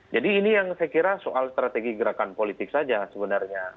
jadi ini yang saya kira soal strategi gerakan politik saja sebenarnya